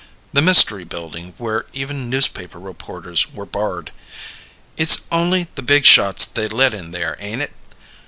The mystery building where even newspaper reporters were barred. "It's only the big shots they let in there ain't it?